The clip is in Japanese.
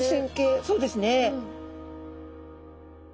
そうですね。